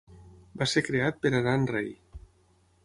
Va ser creat per Aran Rei.